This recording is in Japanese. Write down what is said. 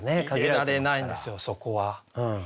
入れられないんですよそこは。